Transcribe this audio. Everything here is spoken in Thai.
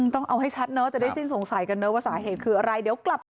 ต้องเอาให้ชัดจะได้สิ้นสงสัยกันว่าสาเหตุคืออะไร